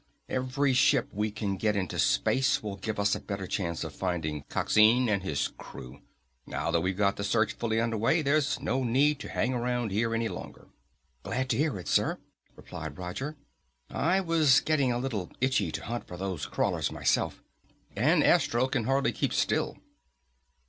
"Every ship we can get into space will give us a better chance of finding Coxine and his crew. Now that we've got the search fully under way there's no need to hang around here any longer." "Glad to hear it, sir," replied Roger. "I was getting a little itchy to hunt for those crawlers myself. And Astro can hardly keep still."